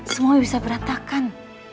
semua bisa beratakan